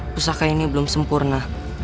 pusaka ini belum sempurna